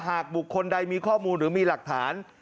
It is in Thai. บุคคลใดมีข้อมูลหรือมีหลักฐาน